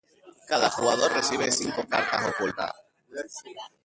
Cada jugador recibe cinco cartas ocultas.